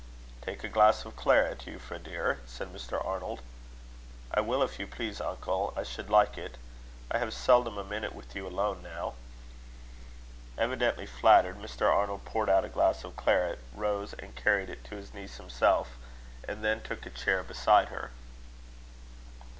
"Take a glass of claret, Euphra, dear?" said Mr. Arnold. "I will, if you please, uncle. I should like it. I have seldom a minute with you alone now." Evidently flattered, Mr. Arnold poured out a glass of claret, rose and carried it to his niece himself, and then took a chair beside her.